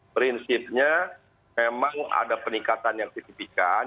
prinsipnya memang ada peningkatan yang tipik kan